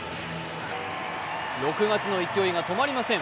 ６月の勢いが止まりません。